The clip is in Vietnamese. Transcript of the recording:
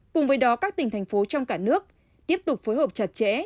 cùng với đó các tỉnh thành phố trong cả nước tiếp tục phối hợp chặt chẽ